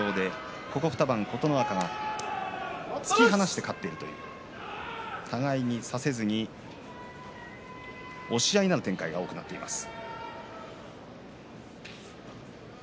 ここ２番、琴ノ若が突き放して勝っているという互いに差せずに押し合いになる展開が多くなっています。